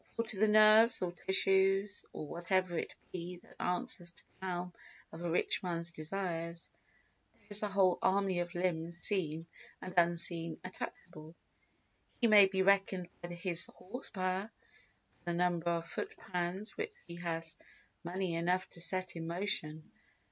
For to the nerves or tissues, or whatever it be that answers to the helm of a rich man's desires, there is a whole army of limbs seen and unseen attachable: he may be reckoned by his horse power—by the number of foot pounds which he has money enough to set in motion.